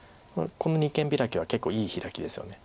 この二間ビラキは結構いいヒラキですよね。